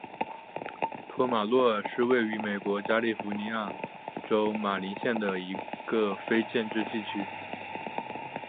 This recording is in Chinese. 托卡洛马是位于美国加利福尼亚州马林县的一个非建制地区。